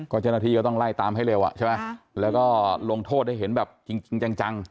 กรณฑีก็ต้องไล่ตามให้เร็วแล้วก็ลงโทษให้เห็นแบบจริงจัง